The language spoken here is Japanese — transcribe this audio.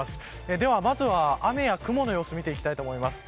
ではまず雨や雲の様子見ていきたいと思います。